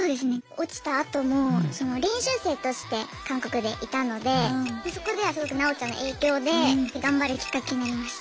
落ちたあとも練習生として韓国でいたのでそこではすごくなおちゃんの影響で頑張るきっかけになりました。